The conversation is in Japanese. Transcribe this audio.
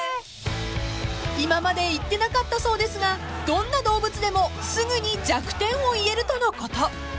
［今まで言ってなかったそうですがどんな動物でもすぐに弱点を言えるとのこと］